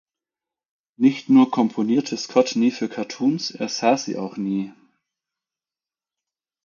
Nicht nur komponierte Scott nie für Cartoons, er sah sie auch nie.